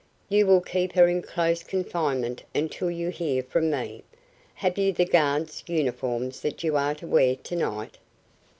You will keep her in close confinement until you hear from me. Have you the guard's uniforms that you are to wear to night?"